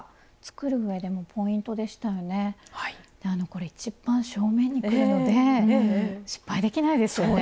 これ一番正面にくるので失敗できないですよね。